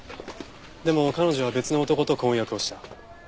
でも彼女は別の男と婚約をした。